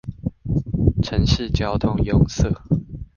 城市交通壅塞